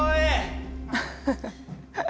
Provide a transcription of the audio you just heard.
ハハハハ。